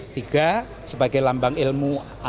tiga sebagai lambang ilmu